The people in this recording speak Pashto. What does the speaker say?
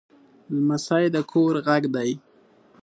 لمسی د کور غږ دی.